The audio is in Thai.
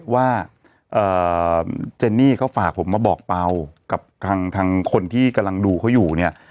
ว่าเจนนี่เขาฝากผมมาบอกเปล่ากับทางคนที่กำลังดูเขาอยู่เนี่ย